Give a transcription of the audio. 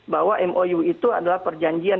bahwa mou itu adalah perjanjian